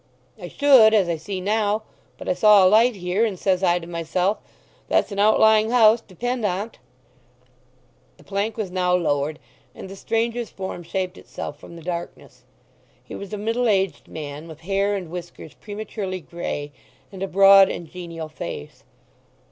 "I should—as I see now. But I saw a light here, and says I to myself, that's an outlying house, depend on't." The plank was now lowered; and the stranger's form shaped itself from the darkness. He was a middle aged man, with hair and whiskers prematurely grey, and a broad and genial face.